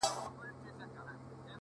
هغه ياغي شاعر له دواړو خواو لمر ویني چي-